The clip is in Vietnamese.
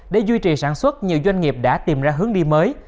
để duy trì sản xuất nhiều doanh nghiệp đã tìm ra hướng đi mới